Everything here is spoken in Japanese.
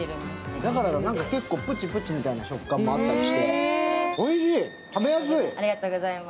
だからだ、結構プチプチみたいな食感もあったりして。